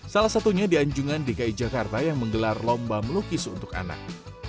salah satunya di anjungan dki jakarta yang menggelar lomba melukis untuk anak